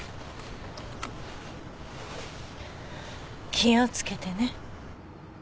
・・気を付けてね。